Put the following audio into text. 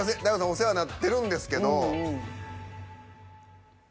お世話なってるんですけど。